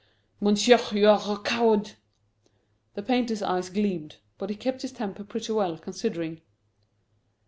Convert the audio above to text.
"Monsieur, you are a coward!" The painter's eyes gleamed. But he kept his temper pretty well, considering.